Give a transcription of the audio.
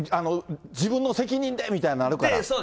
自分の責任でみたいなのあるから。